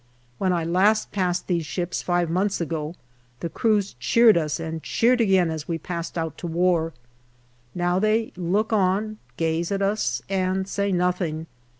When I last passed these ships, five months ago, the crews cheered us, and cheered again as we passed out to war. Now they look on, gaze at us, and say nothing.